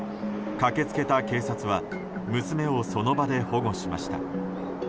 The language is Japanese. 駆け付けた警察は娘をその場で保護しました。